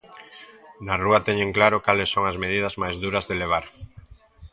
Na rúa teñen claro cales son as medidas máis duras de levar.